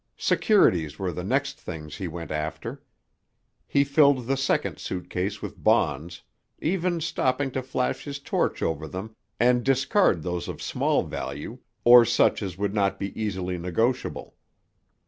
Securities were the next things he went after. He filled the second suit case with bonds, even stopping to flash his torch over them and discard those of small value or such as would not be easily negotiable.